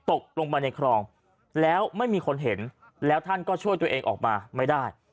ตกลงมาในคลองแล้วไม่มีคนเห็นแล้วท่านก็ช่วยตัวเองออกมาไม่ได้